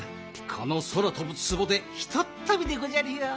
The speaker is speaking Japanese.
このそらとぶツボでひとっとびでごじゃるよ。